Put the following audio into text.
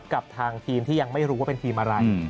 กับทางทีมที่ยังไม่รู้ว่าเป็นทีมอะไร